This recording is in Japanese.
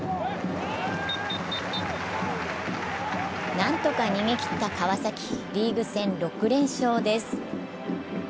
何とか逃げ切った川崎、リーグ戦６連勝です。